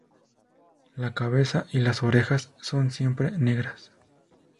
La cabeza y las orejas son siempre negras.